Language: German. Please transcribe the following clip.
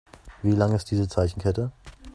Wie lang ist diese Zeichenkette?